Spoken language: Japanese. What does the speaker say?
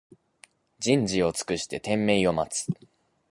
じんじをつくしててんめいをまつ